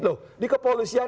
loh di kepolisian